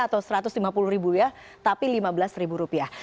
atau satu ratus lima puluh ribu ya tapi lima belas ribu rupiah